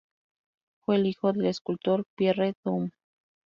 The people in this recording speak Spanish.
Fue el hijo del escultor Pierre Dumont.